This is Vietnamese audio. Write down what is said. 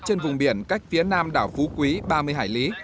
trên vùng biển cách phía nam đảo phú quý ba mươi hải lý